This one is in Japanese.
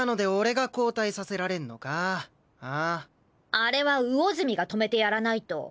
あれは魚住が止めてやらないと。